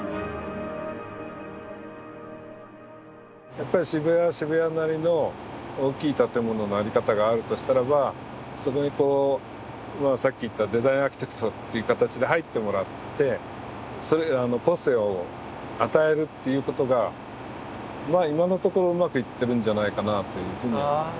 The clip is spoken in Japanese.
やっぱり渋谷は渋谷なりの大きい建物の在り方があるとしたらばそこにこうさっき言ったデザインアーキテクトっていう形で入ってもらって個性を与えるっていうことがまあ今のところうまくいってるんじゃないかなっていうふうには思います。